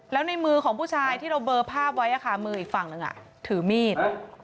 แล้วในมือของผู้ชายที่เราเบอร์ภาพไว้มืออีกฝั่งหนึ่งถือมีด